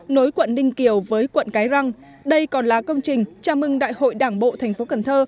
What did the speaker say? nối quận ninh kiều với quận cái răng đây còn là công trình chào mừng đại hội đảng bộ thành phố cần thơ